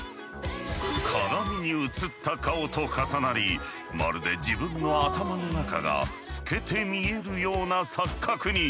鏡に映った顔と重なりまるで自分の頭の中が透けて見えるような錯覚に。